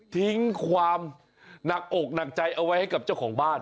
ทิ้งความหนักอกหนักใจเอาไว้ให้กับเจ้าของบ้าน